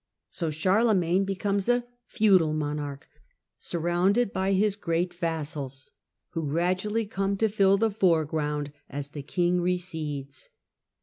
So Charlemagne becomes a feudal monarch surrounded by his great vassals, who gradually come to fill the foreground as the king recedes.